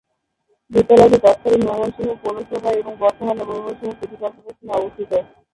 বিদ্যালয়টি তৎকালিন ময়মনসিংহ পৌরসভায় এবং বর্তমানে ময়মনসিংহ সিটি কর্পোরেশন এ অবস্থিত।